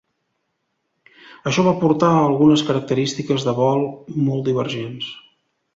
Això va portar a algunes característiques de vol molt divergents.